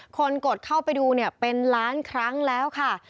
กดเข้าไปดูเป็นล้านครั้งแล้วค่ะ